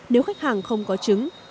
nếu khách hàng không có chứng